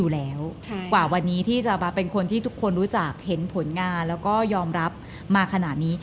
แล้วก็ยอมรับมาขนาดนี้